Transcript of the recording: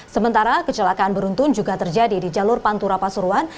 sementara kecelakaan beruntun juga terjadi di jalur pantura pasuruan